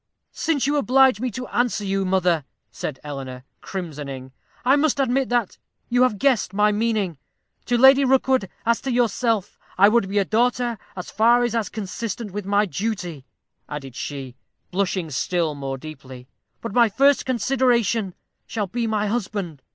"Since you oblige me to answer you, mother," said Eleanor, crimsoning, "I must admit that you have guessed my meaning. To Lady Rookwood, as to yourself, I would be a daughter as far as is consistent with my duty," added she, blushing still more deeply, "but my first consideration shall be my husband.